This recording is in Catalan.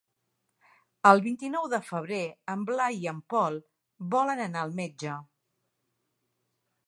El vint-i-nou de febrer en Blai i en Pol volen anar al metge.